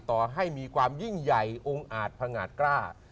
ต่อให้มีความยิ่งใหญ่องค์อาจพงาดกล้า